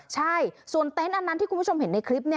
ใช่ส่วนเต็นต์อันนั้นที่คุณผู้ชมเห็นในคลิป